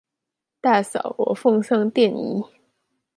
大嫂，我奉上奠儀